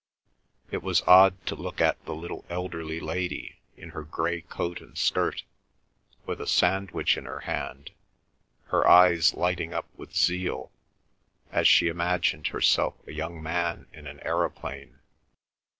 It was odd to look at the little elderly lady, in her grey coat and skirt, with a sandwich in her hand, her eyes lighting up with zeal as she imagined herself a young man in an aeroplane.